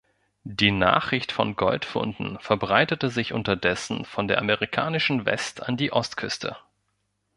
Die Nachricht von Goldfunden verbreitete sich unterdessen von der amerikanischen West- an die Ostküste.